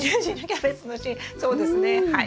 そうですねはい。